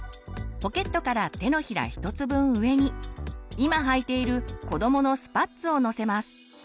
ポケットから手のひら１つ分上に今はいているこどものスパッツを載せます。